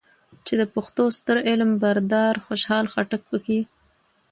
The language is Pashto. چې د پښتو ستر علم بردار خوشحال خټک پکې